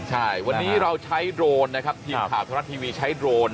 ใช่วันนี้เราใช้โดรนนะครับทีมข่าวธรรมรัฐทีวีใช้โดรน